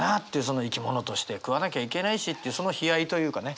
生き物として食わなきゃいけないしってその悲哀というかね